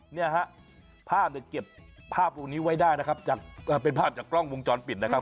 เนี่ยฮะภาพเนี่ยเก็บภาพวงนี้ไว้ได้นะครับจากเป็นภาพจากกล้องวงจรปิดนะครับ